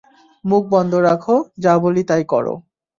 মুখ বন্ধ রাখ, যা বলি তাই কর।